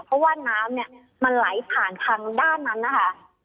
เพราะว่าน้ำเนี่ยมันไหลผ่านทางด้านนั้นนะคะ